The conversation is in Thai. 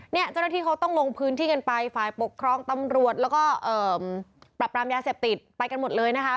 เจ้าหน้าที่เขาต้องลงพื้นที่กันไปฝ่ายปกครองตำรวจแล้วก็ปรับปรามยาเสพติดไปกันหมดเลยนะคะ